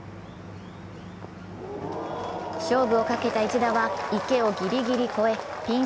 勝負をかけた一打は池をギリギリ超えピン